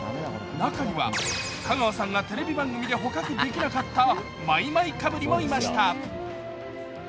中には、香川さんがテレビ番組で捕獲できなかったマイマイカブリもいました。